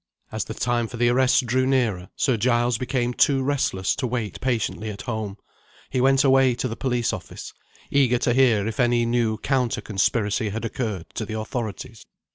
As the time for the arrest drew nearer, Sir Giles became too restless to wait patiently at home. He went away to the police office, eager to hear if any new counter conspiracy had occurred to the authorities.